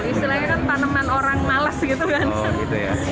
istilahnya kan tanaman orang males gitu kan